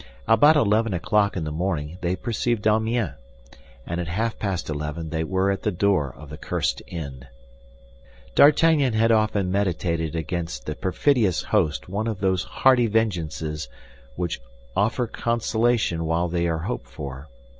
About eleven o'clock in the morning they perceived Amiens, and at half past eleven they were at the door of the cursed inn. D'Artagnan had often meditated against the perfidious host one of those hearty vengeances which offer consolation while they are hoped for.